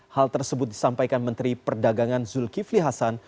hal tersebut disampaikan menteri perdagangan zulkifli hasan